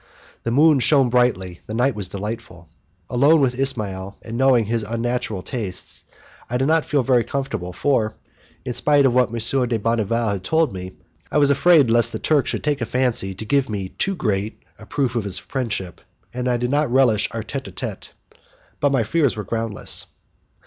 The moon shone brightly, and the night was delightful. Alone with Ismail, and knowing his unnatural tastes, I did not feel very comfortable for, in spite of what M. de Bonneval had told me, I was afraid lest the Turk should take a fancy to give me too great a proof of his friendship, and I did not relish our tete a tete. But my fears were groundless.